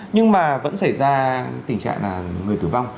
nhưng mà vẫn xảy ra tình trạng là người tử vong